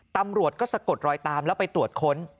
ตำรวจก็สะกดรอยตามแล้วไปตรวจค้น